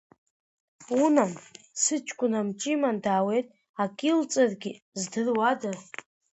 Унан, сыҷкәын амҿы иман даауеит, ак илҵыргьы здыруада?